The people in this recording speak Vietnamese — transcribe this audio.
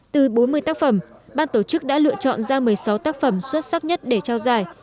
từ bốn mươi tác phẩm ban tổ chức đã lựa chọn ra một mươi sáu tác phẩm xuất sắc nhất để trao giải